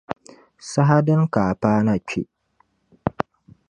Saha dini ka a paana kpe?